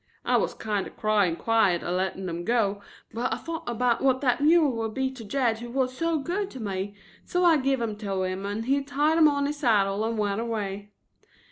I was kinder crying quiet at letting 'em go, but I thought about what that mule would be to Jed who wuz so good to me, so I give 'em to him and he tied 'em on his saddle and went away.